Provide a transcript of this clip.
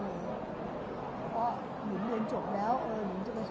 พี่คิดว่าเข้างานทุกครั้งอยู่หรือเปล่า